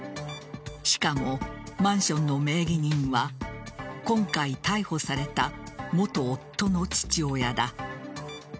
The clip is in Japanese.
しかもマンションの名義人は今回逮捕された元夫の父親だ。